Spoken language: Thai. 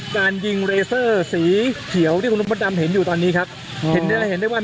ทางกลุ่มมวลชนทะลุฟ้าทางกลุ่มมวลชนทะลุฟ้า